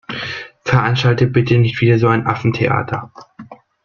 Veranstalte bitte nicht wieder so ein Affentheater.